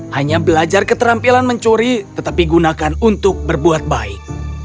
hanya belajar keterampilan mencuri tetapi gunakan untuk berbuat baik